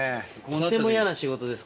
とても嫌な仕事です